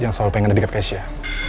pengen selalu berada dekat reina terus